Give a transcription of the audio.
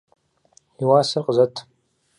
И уасэр къызэт.